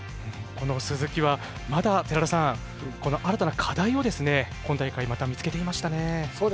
寺田さん鈴木は新たな課題を今大会また見つけてきましたね。